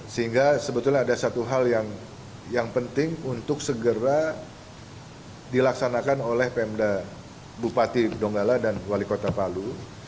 sehingga sebetulnya ada satu hal yang penting untuk segera dilaksanakan oleh pemda bupati donggala dan wali kota palu